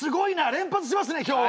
連発しますね今日は。